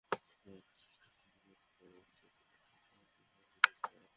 Bangladesh judicial services অ্যাসোসিয়েশনের পক্ষ থেকে এসব পোনা অবমুক্ত করা হয়।